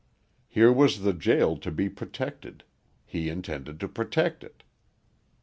Here was the jail to be protected: he intended to protect it.